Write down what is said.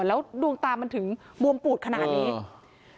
แล้วดวงตามันถึงบวมปูดขนาดนี้